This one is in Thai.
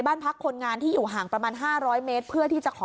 บ้านพักคนงานที่อยู่ห่างประมาณ๕๐๐เมตรเพื่อที่จะขอ